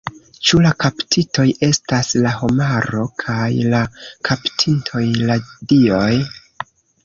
Ĉu la kaptitoj estas la homaro kaj la kaptintoj la dioj?